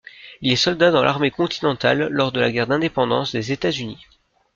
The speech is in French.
Il est soldat dans l'Armée continentale lors de la guerre d'indépendance des États-Unis.